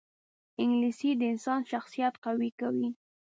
انګلیسي د انسان شخصیت قوي کوي